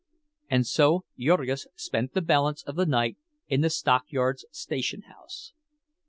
And so Jurgis spent the balance of the night in the stockyards station house.